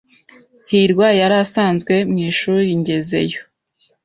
hirwa yari asanzwe mwishuri ngezeyo.